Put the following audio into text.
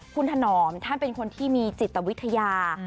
คุณถนอมท่านเป็นคนที่มีจิตวิทยา